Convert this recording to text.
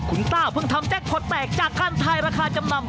คุณต้าเพิ่งทำแจ็คพอร์ตแตกจากการทายราคาจำนำ